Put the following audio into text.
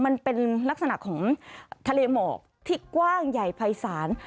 มันเป็นลักษณะของทะเลหมอกที่กว้างใหญ่ภายศาล